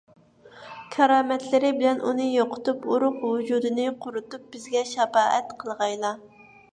كارامەتلىرى بىلەن ئۇنى يوقىتىپ، ئۇرۇق - ۋۇجۇدىنى قۇرۇتۇپ، بىزگە شاپائەت قىلغايلا.